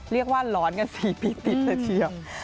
เรียกว่าหลอนกัน๔ปีติดเลยเชียว